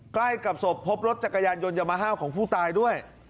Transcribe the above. ใกล้กับศพพบรถจักรยานยนต์ยามาฮาวของผู้ตายด้วย